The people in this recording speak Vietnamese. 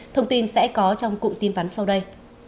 thông tin sẽ có trong cụm tin vắn sau đây